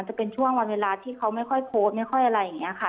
จะเป็นช่วงวันเวลาที่เขาไม่ค่อยโพสต์ไม่ค่อยอะไรอย่างนี้ค่ะ